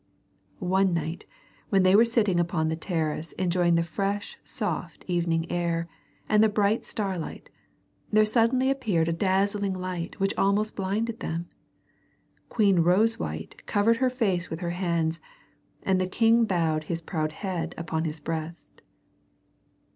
One night when they were sitting upon the terrace enjoying the fresh soft evening air and the bright starlight there suddenly appeared a dazzling light which almost blinded them. Queen Rosewhite covered her face with her hands and the king bowed his proud head upon his breast.